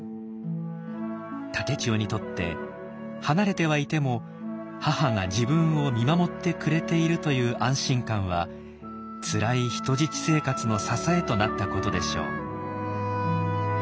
竹千代にとって離れてはいても母が自分を見守ってくれているという安心感はつらい人質生活の支えとなったことでしょう。